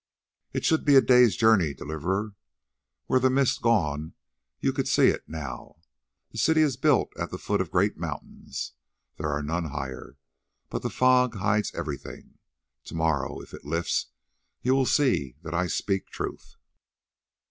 "It should be a day's journey, Deliverer. Were the mist gone you could see it now. The city is built at the foot of great mountains, there are none higher, but the fog hides everything. To morrow, if it lifts, you will see that I speak truth."